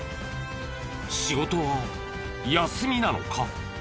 仕事は休みなのか？